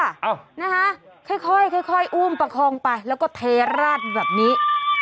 เอ้านะคะค่อยค่อยอุ้มประคองไปแล้วก็เทราดแบบนี้